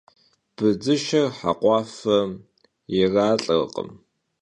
Bıdzışşer hekxhuafem yiralh'erkhım.